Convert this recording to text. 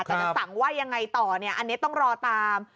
แต่จะสั่งว่ายังไงต่อเนี่ยอันนี้ต้องรอตาม